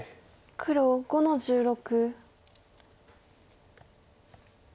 黒５の十六。